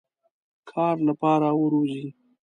کار لپاره وروزی.